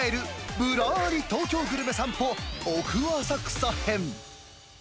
ぶらーり東京グルメ散歩、奥浅草編。